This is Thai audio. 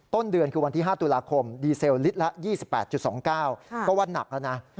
ต้นเดือนคือวันที่๕ตุลาคมดีเซลลิตรละ๒๘๒๙เพราะว่านักแล้วนะ